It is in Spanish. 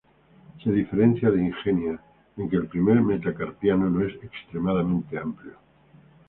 Se diferencia de "Ingenia" en que el primer metacarpiano no es extremadamente amplio.